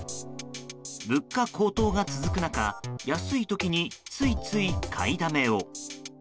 物価高騰が続く中安い時についつい買いだめを。